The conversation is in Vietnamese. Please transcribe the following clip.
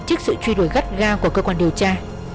trước sự truy đuổi gắt ga của cơ quan điều tra